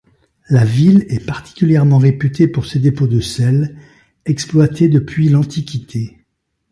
La ville est particulièrement réputée pour ses dépôts de sel, exploités depuis l'Antiquité.